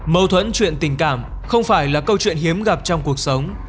mâu thuẫn chuyện tình cảm không phải là câu chuyện hiếm gặp trong cuộc sống